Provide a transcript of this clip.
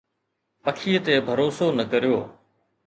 پکيءَ تي ڀروسو نه ڪريو